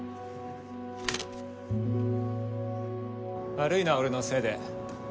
悪いな俺のせいで。